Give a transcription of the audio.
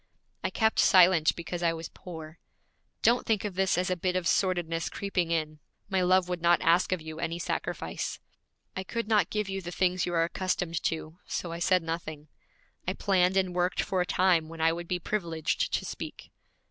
I kept silent because I was poor. Don't think of this as a bit of sordidness creeping in. My love would not ask of you any sacrifice. I could not give you the things you are accustomed to, so I said nothing. I planned and worked for a time when I would be privileged to speak.'